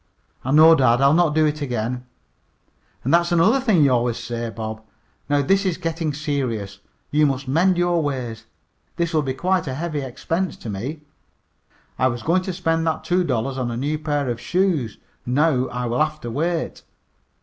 "I know, dad. I'll not do it again." "And that's another thing you always say, Bob. Now this is getting serious. You must mend your ways. This will be quite a heavy expense to me. I was going to spend that two dollars for a new pair of shoes. Now I will have to wait."